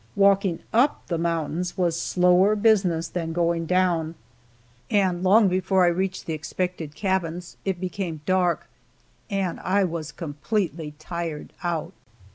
Walking up the mountains was slower business than going down, and long before I reached the expected cabins it became dark and I was completely tired out.